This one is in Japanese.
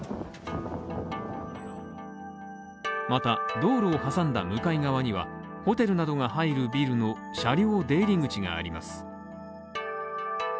また、道路を挟んだ向かい側には、ホテルなどが入るビルの車両出入口があります。